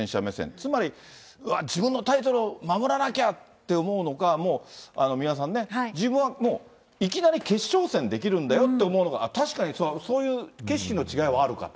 つまり、うわっ、自分のタイトルを守らなきゃって思うのか、もう三輪さんね、自分はもう、いきなり決勝戦できるんだよって思うのか、確かにそういう景色の違いはあるかと。